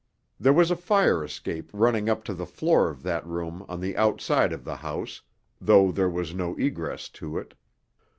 There was a fire escape running up to the floor of that room on the outside of the house, though there was no egress to it.